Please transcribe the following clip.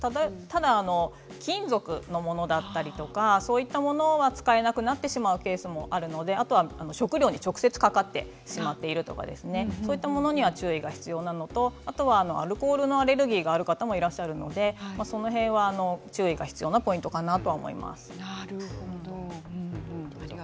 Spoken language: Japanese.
ただ金属のものだったりとかそういうものは使えなくなってしまうケースもあるのであと食料に直接かかってしまっているとか、そういうものには注意が必要なのとアルコールのアレルギーがある方もいらっしゃるのでその辺は注意が必要なポイントかなと思います。